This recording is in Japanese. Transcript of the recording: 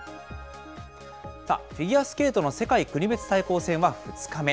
フィギュアスケートの世界国別対抗戦は、２日目。